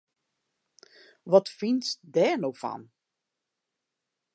Wat fynst dêr no fan!